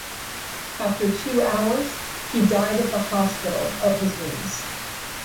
After two hours he died at the hospital of his wounds.